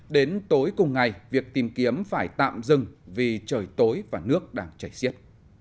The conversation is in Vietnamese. đến tối cùng ngày việc tìm kiếm phải tạm dừng vì trời tối và nước đang chảy xiết